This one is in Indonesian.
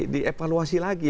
di evaluasi lagi